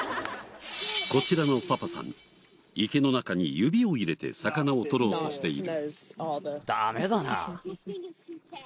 こちらのパパさん池の中に指を入れて魚をとろうとしている。